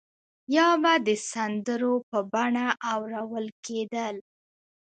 یا به د سندرو په بڼه اورول کېدل.